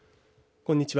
こんにちは。